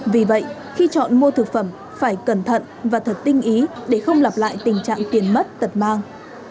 vì vậy khi chọn mua thực phẩm phải cẩn thận và thật tinh ý để không lặp lại tình trạng tiền mất tật mang